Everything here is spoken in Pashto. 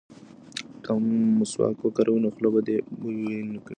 که مسواک وکاروې نو خوله به دې بوی نه کوي.